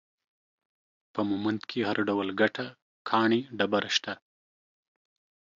په مومند کې هر ډول ګټه ، کاڼي ، ډبره، شته